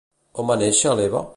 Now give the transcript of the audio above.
On va néixer l'Eva?